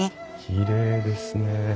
きれいですね。